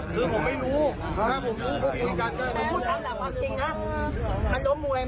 นี่เป็นลูกชายครับตกปกรรมแล้ว